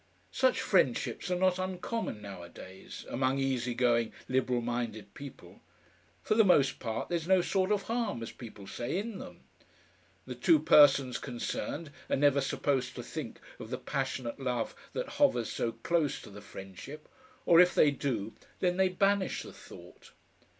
Such friendships are not uncommon nowadays among easy going, liberal minded people. For the most part, there's no sort of harm, as people say, in them. The two persons concerned are never supposed to think of the passionate love that hovers so close to the friendship, or if they do, then they banish the thought.